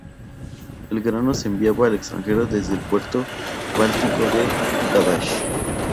El grano se enviaba al extranjero desde el puerto báltico de Gdansk.